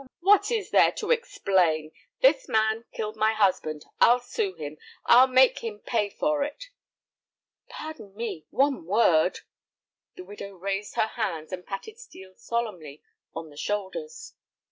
What is there to explain? This man's killed my husband. I'll sue him, I'll make him pay for it." "Pardon me, one word—" The widow raised her hands and patted Steel solemnly on the shoulders.